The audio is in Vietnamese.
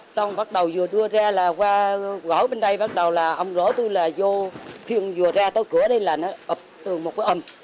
xong bắt đầu vừa đưa ra là qua gõ bên đây bắt đầu là ông rổ tôi là vô khiêng vừa ra tới cửa đây là nó ập tường một cái ầm